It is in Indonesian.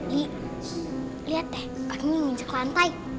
lihat deh kakak ini mencet lantai